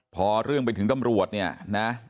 พอเรื่องไปถึงตำรวจเนี่ยนะ